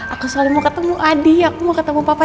aku selalu mau ketemu adik aku mau ketemu papa